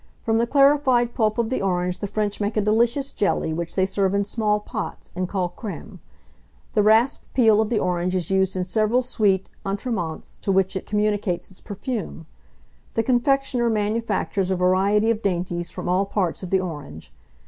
From the clarified pulp of the orange the French make a delicious jelly, which they serve in small pots, and call crême. The rasped peel of the orange is used in several sweet entremets, to which it communicates its perfume. The confectioner manufactures a variety of dainties from all parts of the orange.